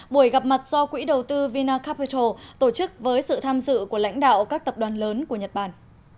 buổi gặp mặt do quỹ đầu tư vinacapital tổ chức với sự tham dự của lãnh đạo các tập đoàn lớn của nhật bản